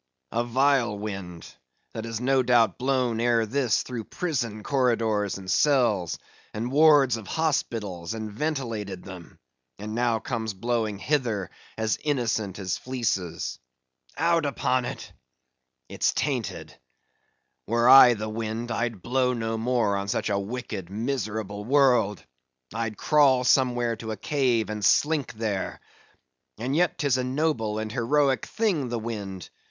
A vile wind that has no doubt blown ere this through prison corridors and cells, and wards of hospitals, and ventilated them, and now comes blowing hither as innocent as fleeces. Out upon it!—it's tainted. Were I the wind, I'd blow no more on such a wicked, miserable world. I'd crawl somewhere to a cave, and slink there. And yet, 'tis a noble and heroic thing, the wind!